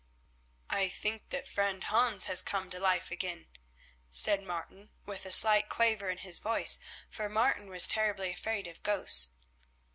"I think that friend Hans has come to life again," said Martin with a slight quaver in his voice, for Martin was terribly afraid of ghosts.